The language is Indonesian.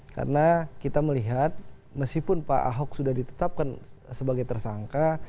karena kita melihat meskipun pak ahok sudah ditetapkan sebagai tersangka